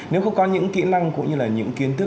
nếu không có những kỹ năng cũng như là những kiến thức